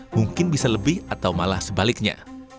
mungkin bisa lebih atau malah sebaliknya